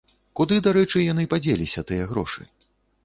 Куды, дарэчы, яны падзеліся, тыя грошы?